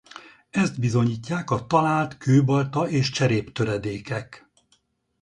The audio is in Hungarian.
Ezt bizonyítják az talált kőbalta és cseréptöredékek.